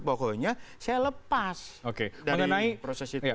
pokoknya saya lepas dari proses itu